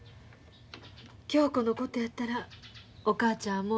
恭子のことやったらお母ちゃん